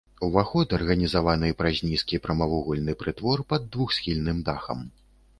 Уваход арганізаваны праз нізкі прамавугольны прытвор пад двухсхільным дахам.